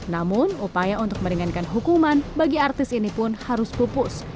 namun upaya untuk meringankan hukuman bagi artis ini pun harus pupus